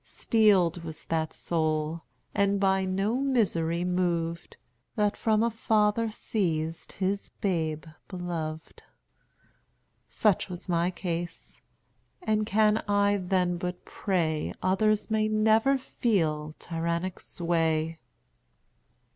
Steeled was that soul, and by no misery moved, That from a father seized his babe beloved. Such was my case; and can I then but pray Others may never feel tyrannic sway."